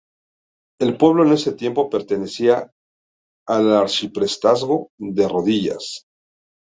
El pueblo en ese tiempo pertenecía al arciprestazgo de Rodillas.